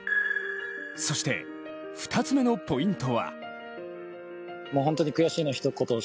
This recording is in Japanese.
そして、２つ目のポイントは。